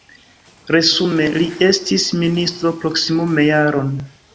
Resume li estis ministro proksimume jaron.